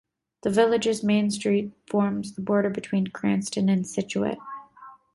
The village's Main Street forms the border between Cranston and Scituate.